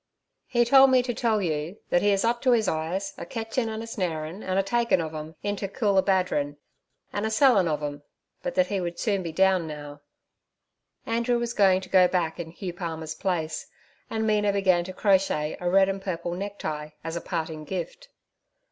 'He told me to tell you that he is up to his eyes a ketchin' an' a snarin' an' a takin' of 'em into Coolabadarin, an' a sellin' of 'em, but that he would soon be down now.' Andrew was now to go back in Hugh Palmer's place, and Mina began to crochet a red and purple necktie as a parting gift.